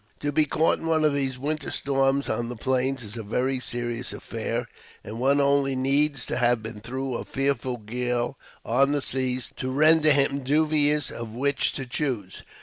To be caught in one of these winter storms on the plains is a very serious affair; and one only needs to have been through a fearful gale on the seas to render him dubious of which to choose.